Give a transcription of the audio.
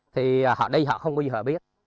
thì họ đi họ không có gì họ biết